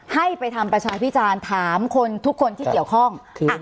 ให้ไปทำประชาพิจารณ์ถามคนทุกคนที่เกี่ยวข้อง